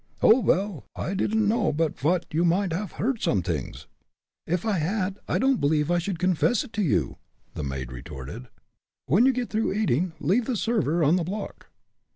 "Oh! vel, I didn't know but you might haff heard somedings." "If I had, I don't believe I should confess it to you," the maid retorted. "When you get through eating leave the server on the block."